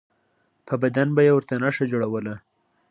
په بدن به یې ورته نښه جوړوله.